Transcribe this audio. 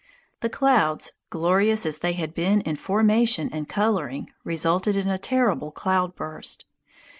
The clouds, glorious as they had been in formation and coloring, resulted in a terrible cloudburst.